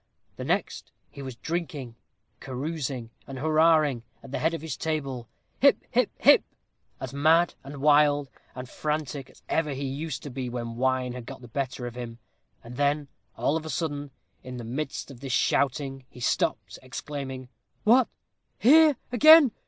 The next, he was drinking, carousing, and hurrahing, at the head of his table. 'Hip! hip! hip!' as mad, and wild, and frantic as ever he used to be when wine had got the better of him; and then all of a sudden, in the midst of his shouting, he stopped, exclaiming, 'What! here again?